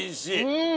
うん。